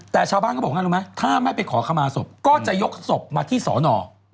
แต่ชาวบ้านเขาบอกงั้นรู้ไหมถ้าไม่ไปขอขมาศพก็จะยกศพมาที่สอนอ